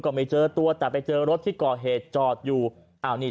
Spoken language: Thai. ก็ไม่เจอตัวแต่ไปเจอรถที่ก่อเหตุจอดอยู่อ้าวนี่